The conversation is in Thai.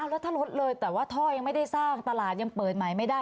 แล้วถ้าลดเลยแต่ว่าท่อยังไม่ได้สร้างตลาดยังเปิดใหม่ไม่ได้